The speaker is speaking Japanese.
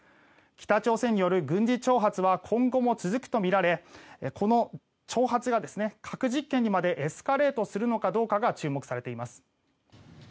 北朝鮮による軍事挑発は今後も続くとみられこの挑発が核実験にまでエスカレートするのかどうかが注目されています。